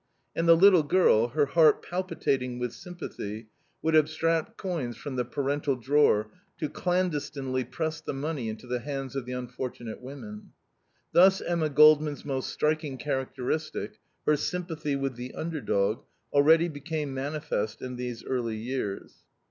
And the little girl, her heart palpitating with sympathy, would abstract coins from the parental drawer to clandestinely press the money into the hands of the unfortunate women. Thus Emma Goldman's most striking characteristic, her sympathy with the underdog, already became manifest in these early years.